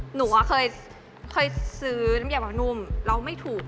ผมอะเคยซื้อน้ำใหญ่แบบนุ่มแล้วไม่ถูก